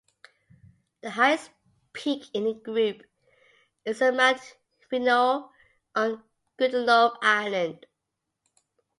The highest peak in the group is the Mount Vineuo on Goodenough Island.